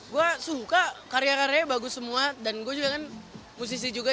gue suka karya karya bagus semua dan gue juga kan musisi juga